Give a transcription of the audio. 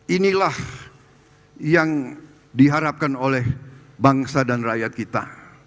inilah yang diharapkan oleh bangsa dan rakyat kita